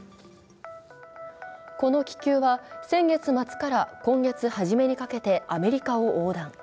この気球は先月末から今月初めにかけてアメリカを横断。